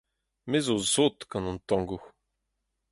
Me 'zo sot gant an tango.